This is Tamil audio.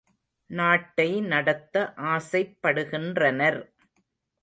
நாட்டை நடத்த ஆசைப்படுகின்றனர்.